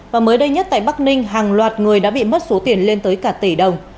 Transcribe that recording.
và mới đây nhất tại bắc ninh hàng loạt người đã bị mất số tiền lên tới cả tỷ đồng